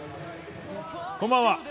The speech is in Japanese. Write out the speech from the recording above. こんばんは。